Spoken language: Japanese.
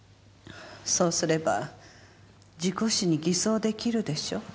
そうすれば事故死に偽装できるでしょ。